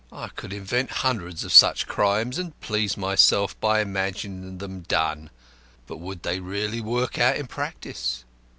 I could invent hundreds of such crimes, and please myself by imagining them done; but would they really work out in practice?